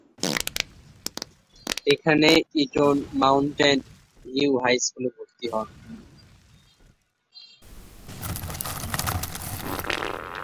এখানে Eton mountain view high স্কুলে ভর্তি হন।